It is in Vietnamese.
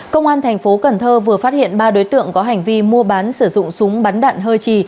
công an thành phố cần thơ vừa phát hiện ba đối tượng có hành vi mua bán sử dụng súng bắn đạn hơi trì